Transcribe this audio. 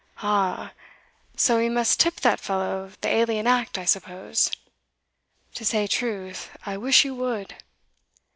"Aha! so we must tip that fellow the alien act, I suppose?" "To say truth, I wish you would."